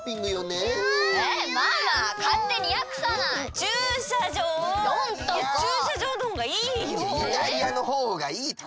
駐車場のほうがいいよ！